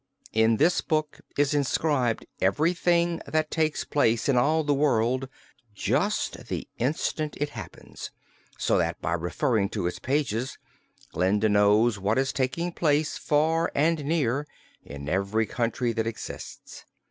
In this book is inscribed everything that takes place in all the world, just the instant it happens; so that by referring to its pages Glinda knows what is taking place far and near, in every country that exists.